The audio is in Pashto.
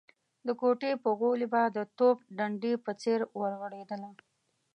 د کوټې په غولي به د توپ ډنډې په څېر ورغړېدله.